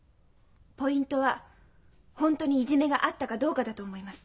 ポイントは本当にいじめがあったかどうかだと思います。